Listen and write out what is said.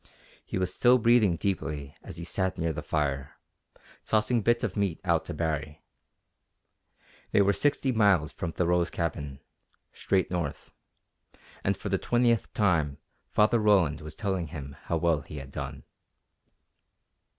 He was still breathing deeply as he sat near the fire, tossing bits of meat out to Baree. They were sixty miles from Thoreau's cabin, straight north, and for the twentieth time Father Roland was telling him how well he had done.